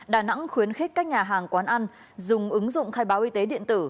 đà nẵng khuyến khích các nhà hàng quán ăn dùng ứng dụng khai báo y tế điện tử